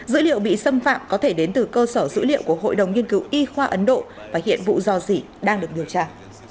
dữ liệu bị xâm phạm có thể đến từ cơ sở dữ liệu của hội đồng nhiên cứu y khoa ấn độ và hiện vụ do gì đang được điều tra